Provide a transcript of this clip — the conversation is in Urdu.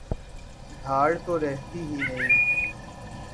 دھاڑ تو رہتی ہی نہیں۔